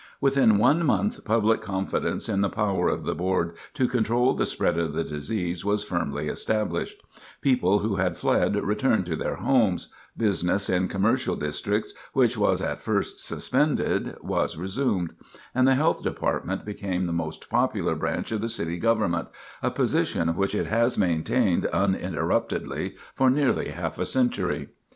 Within one month public confidence in the power of the board to control the spread of the disease was firmly established; people who had fled returned to their homes; business in commercial districts, which was at first suspended, was resumed; and the health department became the most popular branch of the city government, a position which it has maintained uninterruptedly for nearly half a century.